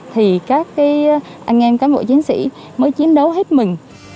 thì các anh em cán bộ chiến sĩ mới chiến đấu hết mình